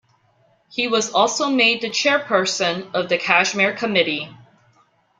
He was also made the chairperson of the Kashmir Committee.